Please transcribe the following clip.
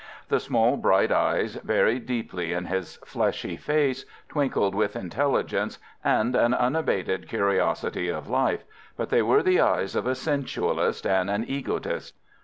The small bright eyes, buried deeply in his fleshy face, twinkled with intelligence and an unabated curiosity of life, but they were the eyes of a sensualist and an egotist.